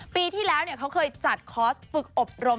ปีที่แล้วเขาเคยจัดคอร์สฝึกอบรม